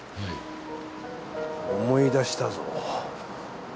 思い出したぞ。